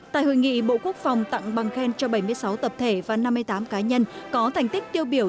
tại hội nghị bộ quốc phòng tặng bằng khen cho bảy mươi sáu tập thể và năm mươi tám cá nhân có thành tích tiêu biểu